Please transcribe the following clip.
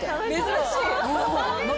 珍しい。